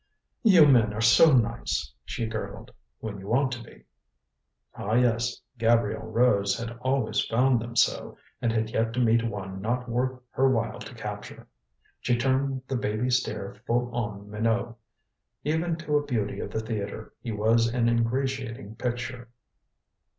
"You men are so nice," she gurgled, "when you want to be." Ah, yes, Gabrielle Rose had always found them so, and had yet to meet one not worth her while to capture. She turned the baby stare full on Minot. Even to a beauty of the theater he was an ingratiating picture.